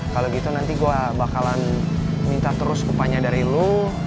kalau gitu nanti gue bakalan minta terus kepanya dari lo